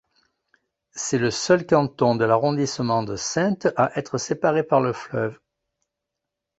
C'est le seul canton de l'arrondissement de Saintes à être séparé par le fleuve.